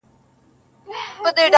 سلامۍ ته را روان یې جنرالان وه٫